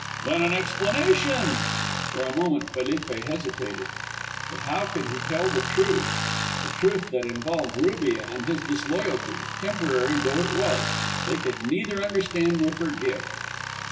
"Then an explanation." For a moment Felipe hesitated. But how could he tell them the truth the truth that involved Rubia and his disloyalty, temporary though that was. They could neither understand nor forgive.